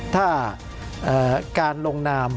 ถ้าการลงนาม